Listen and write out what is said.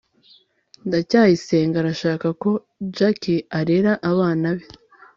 ndacyayisenga arashaka ko jaki arera abana be